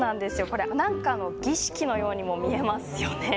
これ何かの儀式のようにも見えますよね。